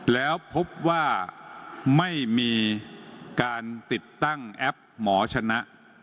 แล้วพบว่าไม่มีการติดตั้งแอปหมอชนะ